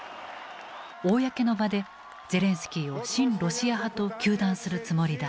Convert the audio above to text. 公の場でゼレンスキーを親ロシア派と糾弾するつもりだった。